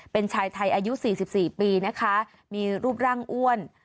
เป็นชายไทยอายุ๔๔ปีนะคะมีรูปร่างอ้วน